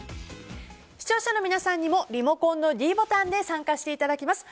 視聴者の皆さんにもリモコンのｄボタンで参加していただきます。